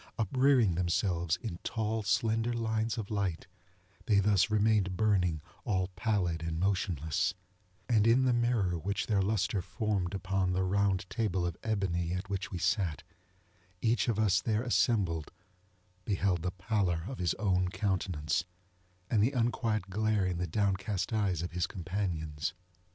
Uprearing themselves in tall slender lines of light, they thus remained burning all pallid and motionless; and in the mirror which their lustre formed upon the round table of ebony at which we sat, each of us there assembled beheld the pallor of his own countenance, and the unquiet glare in the downcast eyes of his companions.